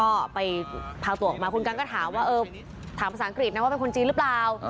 ก็ไปพาตัวออกมาคุณกันก็ถามว่าเออถามภาษาอังกฤษนะว่าเป็นคนจีนหรือเปล่า